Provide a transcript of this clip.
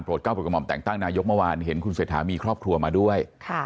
เก้าโปรดกระหม่อมแต่งตั้งนายกเมื่อวานเห็นคุณเศรษฐามีครอบครัวมาด้วย